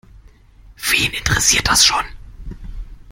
Wen interessiert das schon?